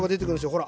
ほら